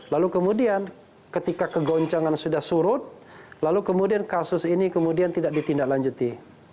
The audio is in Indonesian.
lalu kemudian ketika kegoncangan sudah surut lalu kemudian kasus ini kemudian tidak ditindaklanjuti